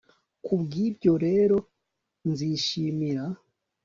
Ku bw ibyo rero nzishimira